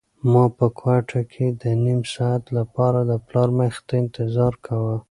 ما په کوټه کې د نيم ساعت لپاره د پلار مخې ته انتظار کاوه.